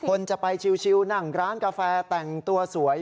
คนจะไปชิวนั่งร้านกาแฟแต่งตัวสวย